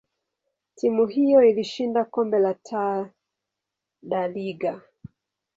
timu hiyo ilishinda kombe la Taa da Liga.